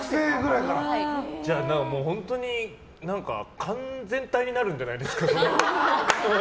じゃあ本当に完全体になるんじゃないですか？